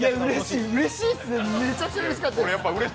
うれしいっすね、めちゃくちゃうれしいです。